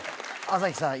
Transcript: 朝日さん